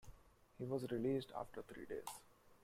He was released after three days.